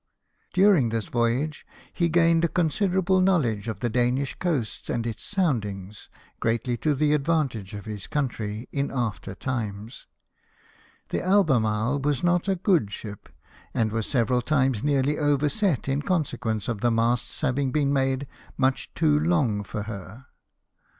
During this voyage he gained a con siderable knowledge of the Danish coast and its VOYAaU TO CANADA ON THE '' ALBEMARLE:^ 25 soundings, greatly to the advantage of his country in after times. The Albemarle was not a good ship, and was several times nearly overset in con sequence of the masts having been made much too long for her.